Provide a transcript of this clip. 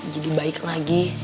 jadi baik lagi